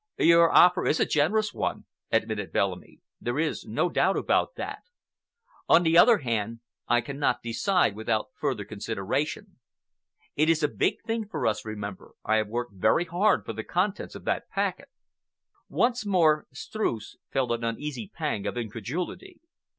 "Your offer is a generous one," admitted Bellamy, "there is no doubt about that. On the other hand, I cannot decide without further consideration. It is a big thing for us, remember. I have worked very hard for the contents of that packet." Once more Streuss felt an uneasy pang of incredulity.